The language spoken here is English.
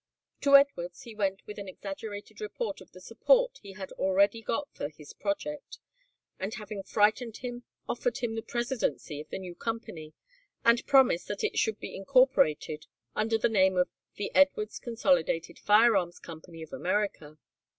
To Edwards he went with an exaggerated report of the support he had already got for his project, and having frightened him offered him the presidency of the new company and promised that it should be incorporated under the name of The Edwards Consolidated Firearms Company of America.